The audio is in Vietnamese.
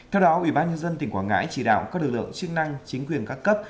theo đó ủy ban nhân dân tỉnh quảng ngãi chỉ đạo các lực lượng chức năng chính quyền các cấp